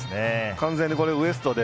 完全にウエストで。